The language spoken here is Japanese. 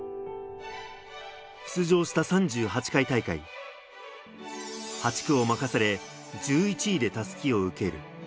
出場した３８回大会、８区を任され１１位で襷を受ける。